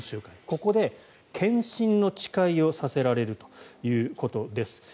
ここで献身の誓いをさせられるということですね。